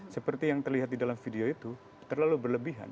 seperti yang terlihat di dalam video itu terlalu berlebihan